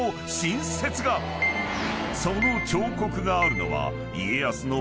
［その彫刻があるのは家康の］